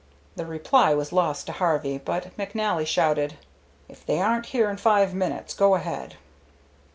The reply was lost to Harvey, but McNally shouted, "If they aren't here in five minutes, go ahead."